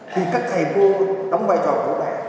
thì các thầy cô đóng vai trò của bố mẹ